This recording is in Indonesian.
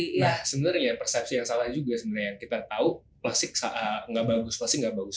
nah sebenarnya ya persepsi yang salah juga sebenarnya yang kita tahu klasik nggak bagus plastik nggak bagus